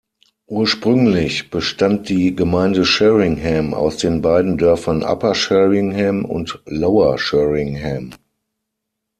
Ursprünglich bestand die Gemeinde Sheringham aus den beiden Dörfern Upper Sheringham und Lower Sheringham.